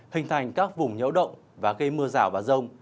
hình thành các vùng nhẫu động và gây mưa rào và rông